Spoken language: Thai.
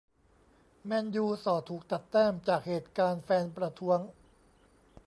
แมนยู ส่อถูก ตัดแต้ม จากเหตุการณ์แฟนประท้วง